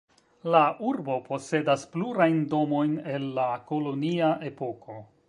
La urbo posedas plurajn domojn el la kolonia epoko.